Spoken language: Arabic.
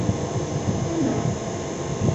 من مات؟